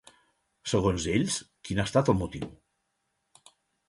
Segons ells, quin ha estat el motiu?